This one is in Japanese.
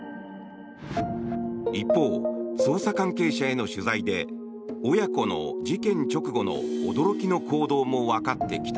一方、捜査関係者への取材で親子の事件直後の驚きの行動もわかってきた。